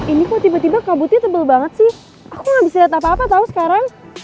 ini kok tiba tiba kabutnya tebel banget sih aku gak bisa lihat apa apa tau sekarang